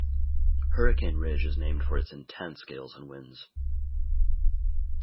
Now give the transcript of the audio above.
Hurricane Ridge is named for its intense gales and winds.